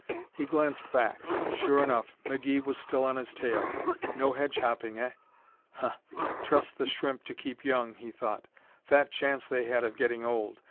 He glanced back. Sure enough, McGee was still on his tail. No hedge hopping, eh? Huh! Trust The Shrimp to keep young, he thought. Fat chance they had of getting old.